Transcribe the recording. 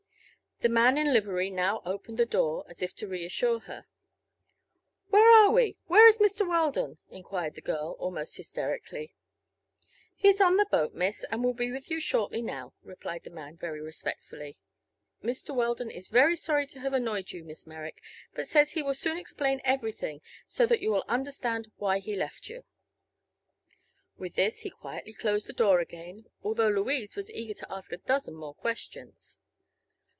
The man in livery now opened the door, as if to reassure her. "Where are we? Where is Mr. Weldon?" enquired the girl, almost hysterically. "He is on the boat, miss, and will be with you shortly now," replied the man, very respectfully. "Mr. Weldon is very sorry to have annoyed you, Miss Merrick, but says he will soon explain everything, so that you will understand why he left you." With this he quietly closed the door again, although Louise was eager to ask a dozen more questions.